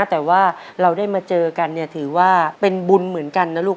แต่ว่าเราได้มาเจอกันเนี่ยถือว่าเป็นบุญเหมือนกันนะลูก